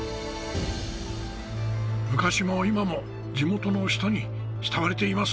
昔も今も地元の人に慕われています。